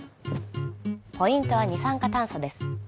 ポイントは二酸化炭素です。